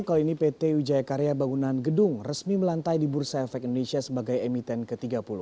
kali ini pt wijaya karya bangunan gedung resmi melantai di bursa efek indonesia sebagai emiten ke tiga puluh